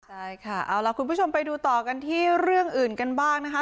ใช่ค่ะเอาล่ะคุณผู้ชมไปดูต่อกันที่เรื่องอื่นกันบ้างนะคะ